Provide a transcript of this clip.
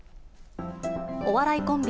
お笑いコンビ、